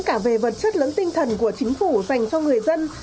cả về vật chất lẫn tinh thần của chính phủ dành cho người dân